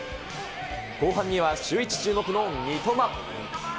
後半にはシューイチ注目の三笘。